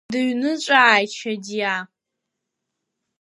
Дыҩныҵәааит Шьадиа.